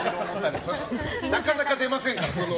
なかなか出ませんから。